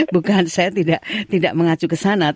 bukan saya tidak mengacu kesana